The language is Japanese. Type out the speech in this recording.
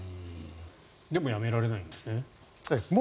でもやめられないんですね。